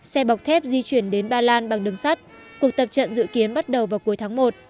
xe bọc thép di chuyển đến ba lan bằng đường sắt cuộc tập trận dự kiến bắt đầu vào cuối tháng một